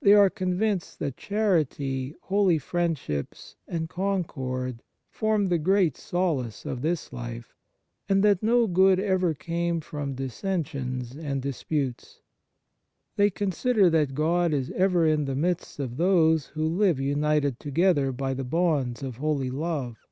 They are convinced that charity, holy friendships, and concord Charitable Religious form the great solace of this life, and that no good ever came from dissensions and dis putes. They consider that God is ever in the midst of those who live united together by the bonds of holy love.